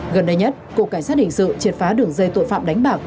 gần đây nhất cục cảnh sát hình sự triệt phá đường dây tội phạm đánh bạc